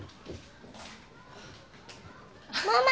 ママ！